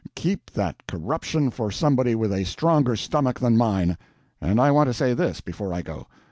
Keep that corruption for somebody with a stronger stomach than mine. And I want to say this, before I go.